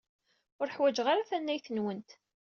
Ur ḥwajeɣ ara tannayt-nwent.